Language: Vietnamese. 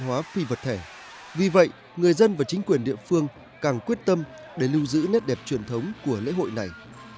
văn hóa phi vật thể vì vậy người dân và chính quyền địa phương càng quyết tâm để lưu giữ nét đẹp truyền thống của lễ hội này